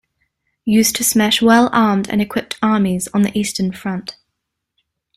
Used to smash well armed and equipped armies on the Eastern Front.